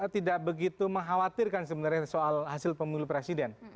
tidak begitu mengkhawatirkan sebenarnya soal hasil pemilu presiden